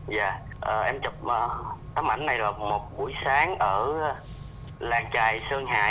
dạ em chụp tấm ảnh này vào một buổi sáng ở làng trài sơn hà